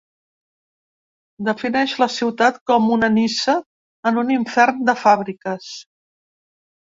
Defineix la ciutat com una Niça en un infern de fàbriques.